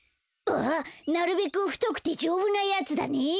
ああなるべくふとくてじょうぶなやつだね。